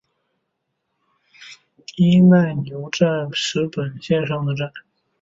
伊奈牛站石北本线上的站。